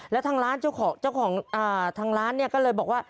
แล้วทางร้านเจ้าของทางร้านเนี่ยก็เลยบอกว่า